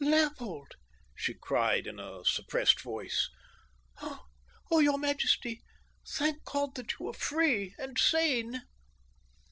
"Leopold!" she cried in a suppressed voice. "Oh, your majesty, thank God that you are free—and sane!"